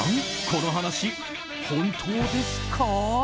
この話、本当ですか？